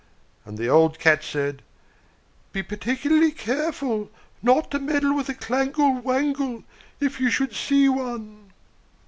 And the old Cats said, "Be particularly careful not to meddle with a clangle wangle if you should see one."